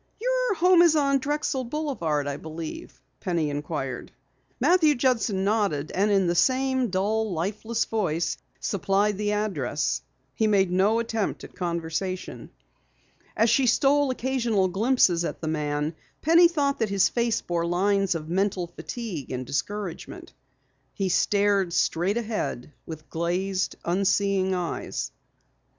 "Your home is on Drexel Boulevard, I believe?" Penny inquired. Matthew Judson nodded and in the same dull, lifeless voice supplied the address. He made no attempt at conversation. As she stole occasional glimpses at the man, Penny thought that his face bore lines of mental fatigue and discouragement. He stared straight ahead with glazed, unseeing eyes.